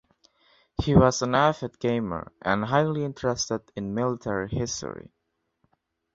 He was an avid gamer and highly interested in military history.